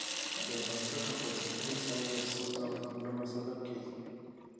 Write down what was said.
بېبنسټه فلسفي مسایل د ستونزو او خنډونو سبب کېږي.